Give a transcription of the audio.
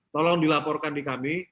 tolong dilaporkan di kami